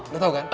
lo tau kan